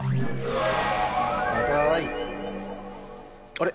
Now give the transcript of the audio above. あれ？